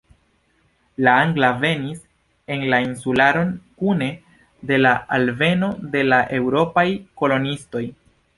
La angla venis en la insularon kune de la alveno de la eŭropaj koloniistoj.